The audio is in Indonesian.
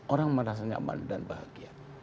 orang merasa nyaman dan bahagia